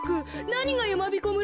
なにがやまびこ村